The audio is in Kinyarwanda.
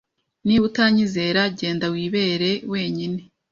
Niba utanyizera, genda wirebere wenyine.